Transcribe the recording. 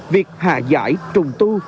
việc hạ giải trùng tu